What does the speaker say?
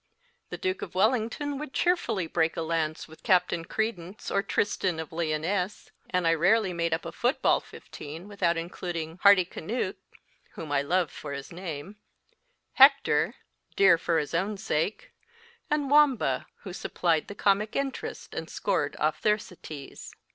The Duke of Wellington would cheerfully break a lance with Captain Credence or Tristram of Lyonesse, and I rarely made up a football fifteen without including Hardicanute (whom I loved for his name), Hector (dear for his own sake) and Wamba (who supplied the comic interest and scored off Thersites).